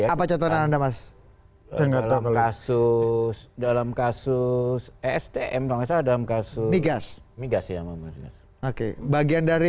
apa catatan anda mas yang terlalu kasus dalam kasus stm dalam kasus migas migas oke bagian dari